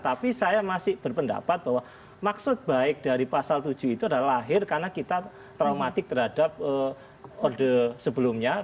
tapi saya masih berpendapat bahwa maksud baik dari pasal tujuh itu adalah lahir karena kita traumatik terhadap orde sebelumnya